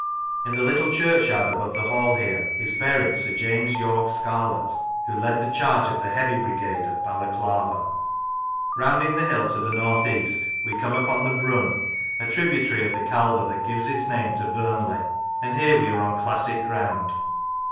In the little churchyard above the Hall here is buried Sir James Yorke Scarlett, who led the charge of the Heavy Brigade at Balaclava. Rounding the hill to the north east, we come upon the Brun, a tributary of the Calder, that gives its name to Burnley; and here we are on classic ground.